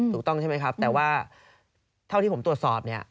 ถูกต้องใช่ไหมครับแต่ว่าเท่าที่ผมตรวจสอบเนี่ย